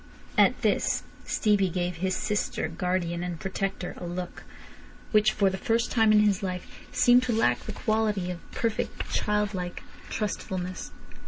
At this Stevie gave his sister, guardian and protector a look, which for the first time in his life seemed to lack the quality of perfect childlike trustfulness.